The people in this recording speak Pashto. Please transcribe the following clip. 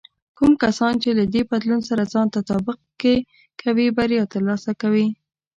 کوم کسان چې له دې بدلون سره ځان تطابق کې کوي، بریا ترلاسه کوي.